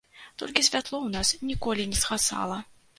Толькі святло ў нас ніколі не згасала.